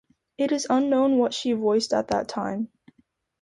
It is unknown what she voiced at the time.